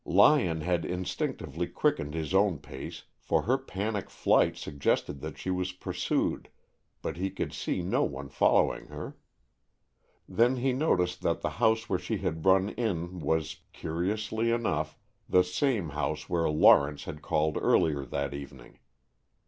Lyon had instinctively quickened his own pace, for her panic flight suggested that she was pursued, but he could see no one following her. Then he noticed that the house where she had run in was, curiously enough, the same house where Lawrence had called earlier that evening.